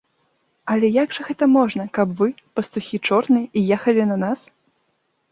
Але як жа гэта можна, каб вы, пастухі чорныя, і ехалі на нас?